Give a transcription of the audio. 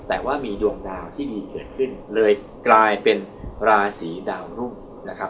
แต่ว่ามีดวงดาวที่ดีเกิดขึ้นเลยกลายเป็นราศีดาวรุ่งนะครับ